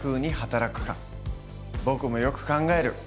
僕もよく考える。